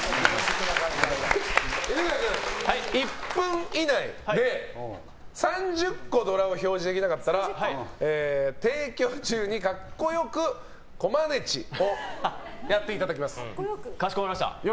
犬飼君、１分以内で３０個ドラを表示できなかったら提供中に格好良くコマネチをかしこまりました。